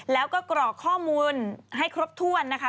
แล้วก็กรอกข้อมูลให้ครบถ้วนนะคะ